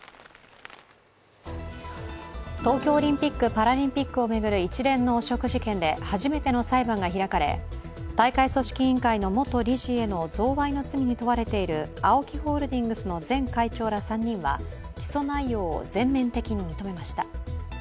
東京オリンピック・パラリンピックを巡る一連の汚職事件で初めての裁判が開かれ、大会組織委員会への元理事への贈賄の罪に問われているＡＯＫＩホールディングスの前会長ら３人は起訴内容を全面的に認めました。